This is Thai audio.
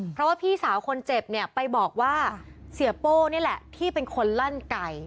เพราะว่าพี่สาวคนเจ็บเนี่ยไปบอกว่าเสียโป้นี่แหละที่เป็นคนลั่นไก่